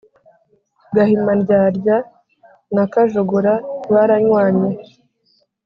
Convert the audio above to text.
Gahimandyadya na Kajogora baranywanye.